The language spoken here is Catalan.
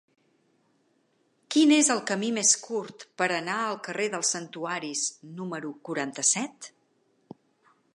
Quin és el camí més curt per anar al carrer dels Santuaris número quaranta-set?